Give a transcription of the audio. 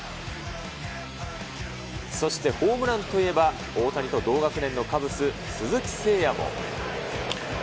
そして、ホームランといえば、大谷と同学年のカブス、鈴木誠也も。